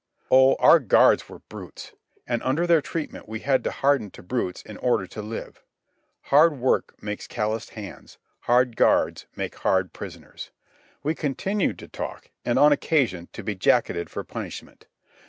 Oh, our guards were brutes! And under their treatment we had to harden to brutes in order to live. Hard work makes calloused hands. Hard guards make hard prisoners. We continued to talk, and, on occasion, to be jacketed for punishment.